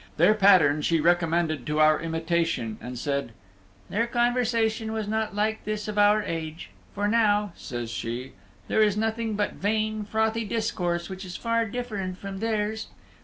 Their pattern she recommended to our imitation, and said, "Their conversation was not like this of our age. For now," says she, "there is nothing but vain, frothy discourse, which is far different from theirs.